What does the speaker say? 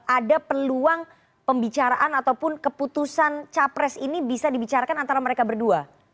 ada peluang pembicaraan ataupun keputusan capres ini bisa dibicarakan antara mereka berdua